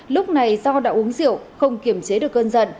lúc này do đã uống rượu không kiểm chế được cơn giận